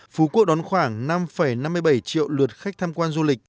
phú quốc đón khoảng năm năm mươi bảy triệu lượt khách tham quan du lịch